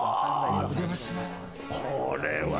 お邪魔します。